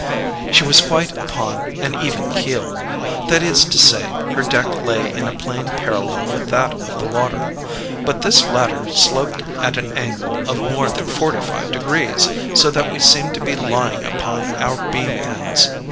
"She was quite upon an even keel that is to say, her deck lay in a plane parallel with that of the water; but this latter sloped at an angle of more than forty five degrees, so that we seemed to be lying upon our beam ends.